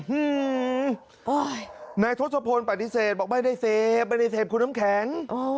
อืมนายทศพลปฏิเสธบอกไม่ได้เสพไม่ได้เสพคุณน้ำแข็ง